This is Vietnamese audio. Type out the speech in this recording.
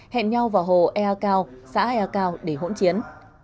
hẹn nhau vào hồ ea cao xã ea cao để hỗn chiến